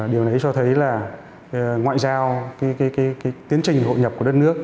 điều này cho thấy là ngoại giao tiến trình hội nhập của đất nước